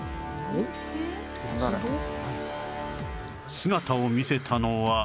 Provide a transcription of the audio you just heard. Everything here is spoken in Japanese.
姿を見せたのは